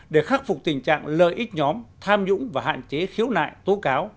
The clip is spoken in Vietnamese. để khắc phục tình trạng lợi ích nhóm tham nhũng và hạn chế khiếu nại tố cáo